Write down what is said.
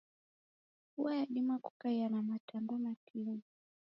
Vua yadima kukaia na matanda matini